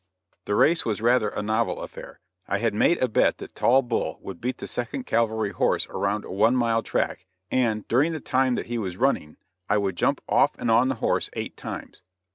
This race was rather a novel affair. I had made a bet that Tall Bull would beat the Second Cavalry horse around a one mile track, and, during the time that he was running, I would jump off and on the horse eight times.